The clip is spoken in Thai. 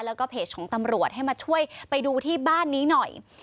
แล้วก็เพจของตำรวจให้มาช่วยไปดูที่บ้านนี้หน่อย